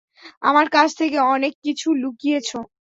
আমার কাছ থেকে, অনেক কিছু লুকিয়েছো।